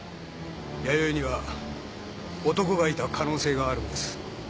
弥生には男がいた可能性があるんです。